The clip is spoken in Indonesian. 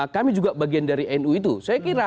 kami juga bagian dari nu itu saya kira